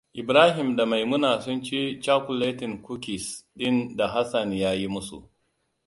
Ibrahima da Maimuna sun ci cakuletin kukis ɗin da Hassan ya yi musu.